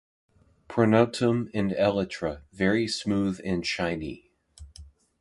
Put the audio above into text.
Pronotum and elytra very smooth and shiny.